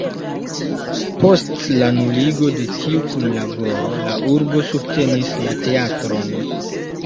Post la nuligo de tiu kunlaboro la urbo subtenis la teatron.